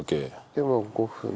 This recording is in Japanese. でまあ５分。